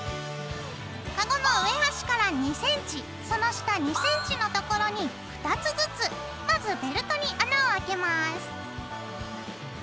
カゴの上端から２センチその下２センチのところに２つずつまずベルトに穴をあけます。